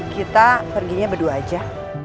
kita perginya berdua aja